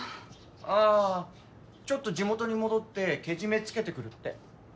ああちょっと地元に戻ってけじめつけてくるって。